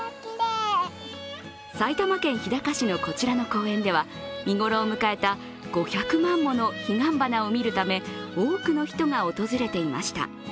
埼玉県日高市のこちらの公園では見頃を迎えた５００万もの彼岸花を見るため多くの人が訪れていました。